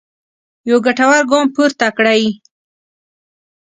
یو ګټور ګام پورته کړی.